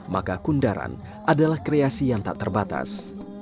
maka kundaran adalah kreasi yang tak terbatas